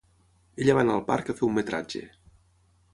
Ella va anar al parc a fer un metratge.